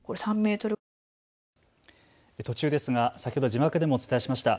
途中ですが先ほど字幕でもお伝えしました。